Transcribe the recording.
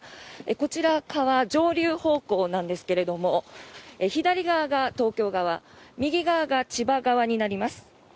こちら、川上流方向なんですけど左側が東京側右側が千葉側になります。